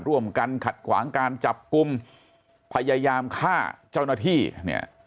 ร่วมกันขัดขวางการจับกลุ่มพยายามฆ่าเจ้าหน้าที่เนี่ย